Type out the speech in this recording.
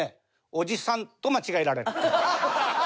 おじさんと間違えられる」。